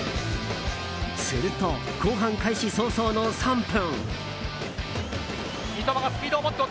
すると後半開始早々の３分。